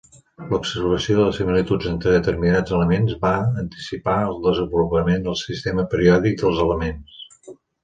L'observació de similituds entre determinats elements va anticipar el desenvolupament del sistema periòdic dels elements.